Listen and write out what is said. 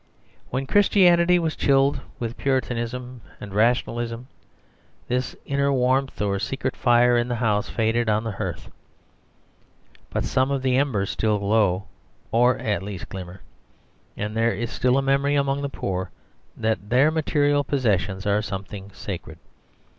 When Christianity was chilled with Puritanism and rationalism, this inner warmth or secret fire in the house faded on the hearth. But some of the embers still glow or at least glimmer; and there is still a memory among the poor that their material possessions are something sacred.